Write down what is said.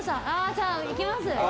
じゃあいきます